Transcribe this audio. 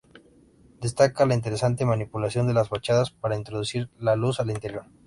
Destaca la interesante manipulación de las fachadas para introducir la luz al interior.